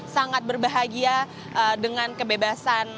sangat berbahagia dengan kebebasan